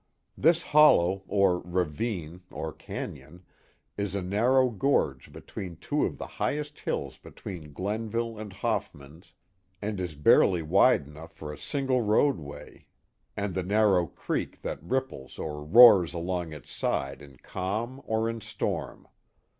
This hollow, or ravine, or canon, is a narrow gorge between two of the highest hills between Glenville and Hoffman's, and is barely wide enough for a single roadway and the narrow creek that ripples or roars along its side in calm or in storm.